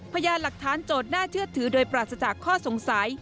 พยานหลักฐานโจทย์น่าเชื่อถือโดยปราศจากข้อสงสัย